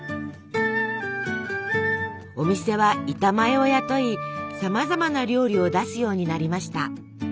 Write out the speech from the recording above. お店は板前を雇いさまざまな料理を出すようになりました。